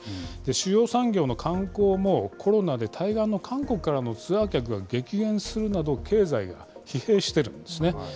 主要産業の観光も、コロナで対岸の韓国からのツアー客が激減するなど、経済が疲弊してるんですね。